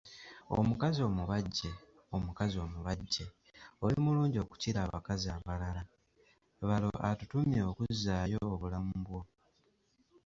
Omukazi omubajje, omukazi omubajje, olimulungi okukira abakazi abalala, balo atutumye okuzzaayo obulamu bwo.